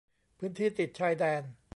พื้นที่ติดชายแดน